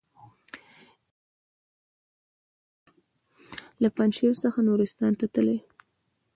ابن بطوطه له پنجشیر څخه نورستان ته تللی.